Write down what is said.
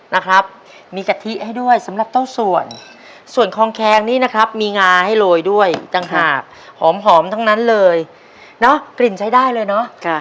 นะครับมีกะทิให้ด้วยสำหรับเต้าส่วนส่วนคลองแคงนี่นะครับมีงาให้โรยด้วยต่างหากหอมทั้งนั้นเลยเนาะกลิ่นใช้ได้เลยเนอะ